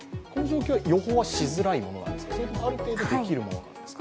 予報はしづらいものなんですか、ある程度できるものなんですか？